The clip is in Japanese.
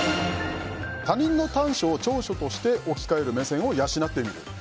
他人の短所を長所として置き換える目線を養ってみる。